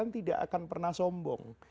tidak akan pernah sombong